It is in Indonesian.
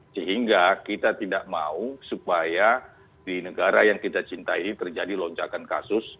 sehingga kita tidak mau supaya di negara yang kita cintai terjadi lonjakan kasus